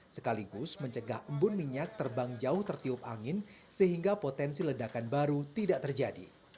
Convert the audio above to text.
sekaligus mencegah embun minyak terbang jauh tertiup angin sehingga potensi ledakan baru tidak terjadi